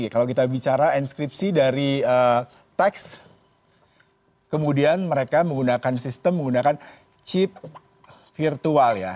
kalau kita bicara enskripsi dari teks kemudian mereka menggunakan sistem menggunakan chip virtual ya